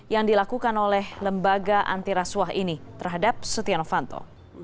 yang dilakukan oleh lembaga antirasuah ini terhadap setiano fanto